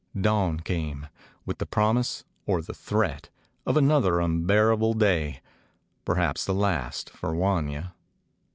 Dawn came, with the promise — or the threat — of another unbearable day; per haps the last, for Wanya.